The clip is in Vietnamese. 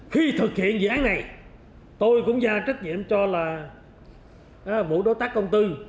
khi thực hiện dự án này tôi cũng giao trách nhiệm cho là bộ đối tác công tư